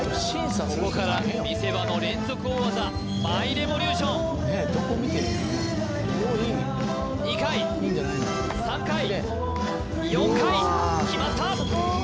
ここから見せ場の連続大技舞レボリューション２回３回４回決まった！